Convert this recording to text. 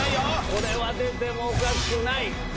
これは出てもおかしくない。